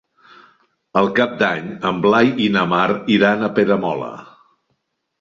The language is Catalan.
Per Cap d'Any en Blai i na Mar iran a Peramola.